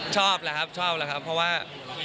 ชอบแล้วครับเพราะว่า